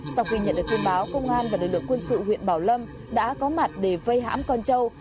sau khi nhận được tin báo công an và lực lượng quân sự huyện bảo lâm đã có mặt để vây hãm con châu